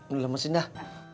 udah lemesin dah